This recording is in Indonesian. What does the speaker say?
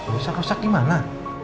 rusak rusak dimana